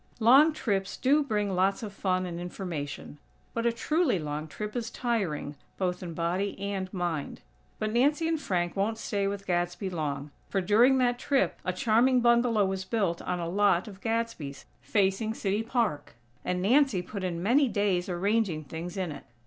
Long trips do bring lots of fun and information; but a truly long trip is tiring, both in body and mind. But Nancy and Frank won't stay with Gadsby long; for, during that trip, a charming bungalow was built on a lot of Gadsby's, facing City Park; and Nancy put in many days arranging things in it.